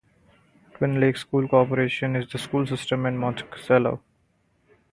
Twin Lakes School Corporation is the school system in Monticello.